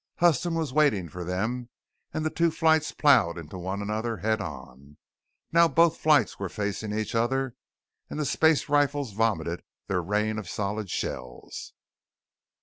Huston was waiting for them and the two flights plowed into one another head on. Now both flights were facing each other and the space rifles vomited their rain of solid shells.